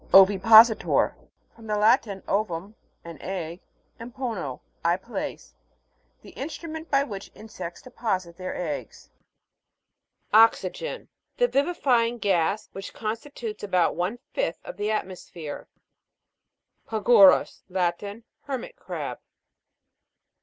OVIPOS'ITOR. From the Latin, ovum, an egg, and pono, I place. The instrument by which insects de posit their eggs. OX'YGEN. The vivifying gas, which constitutes about one fifth of the atmosphere. PAGU'RUS. Latin. Hermit crab.